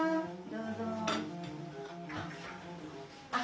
どうぞ。